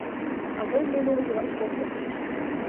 Авый муно ужалаш колтыш.